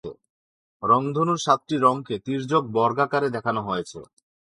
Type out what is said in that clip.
রংধনুর সাতটি রঙকে তির্যক বর্গাকারে দেখানো হয়েছে।